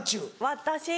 私。